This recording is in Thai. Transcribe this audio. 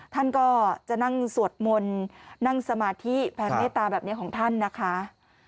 ท่านก็จะนั่งสวดมนต์นั่งสมาธิแพรเมตตาแบบนี้ของท่านนะคะ